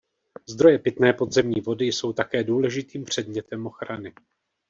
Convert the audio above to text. Zdroje pitné podzemní vody jsou také důležitým předmětem ochrany.